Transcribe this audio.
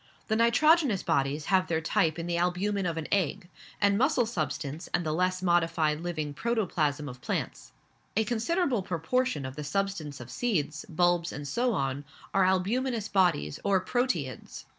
The nitrogenous bodies have their type in the albumen of an egg; and muscle substance and the less modified living "protoplasm" of plants, a considerable proportion of the substance of seeds, bulbs, and so on, are albuminous bodies, or proteids.